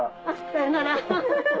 さよなら。